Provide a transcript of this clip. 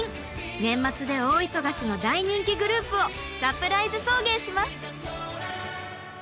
年末で大忙しの大人気グループをサプライズ送迎します！